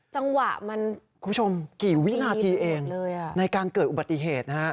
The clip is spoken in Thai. จังหวะมันคุณผู้ชมกี่วินาทีเองในการเกิดอุบัติเหตุนะฮะ